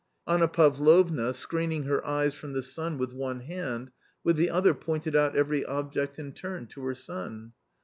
L *~ Anna Pavlovna, screening her eyes from the sun with one hand, with the other pointed out every object in turn to her son.